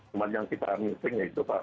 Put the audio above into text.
cuma yang kita missing ya itu pak